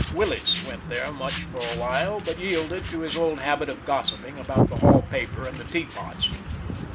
Willis went there much for awhile, but yielded to his old habit of gossiping about the hall paper and the teapots.